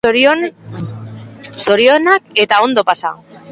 Zorionak eta ondo pasa!